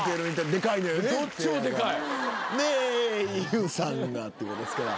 でＹＯＵさんがってことですから。